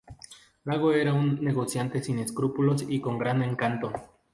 Lago era un ""negociante sin escrúpulos y con gran encanto"".